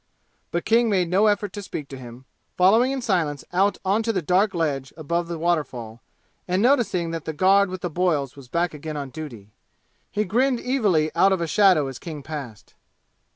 But King made no effort to speak to him, following in silence out on to the dark ledge above the waterfall and noticing that the guard with the boils was back again on duty. He grinned evilly out of a shadow as King passed.